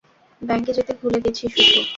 ব্যাংকে যেতে ভুলে গেছি শুধু।